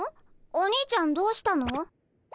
お兄ちゃんどうしたの？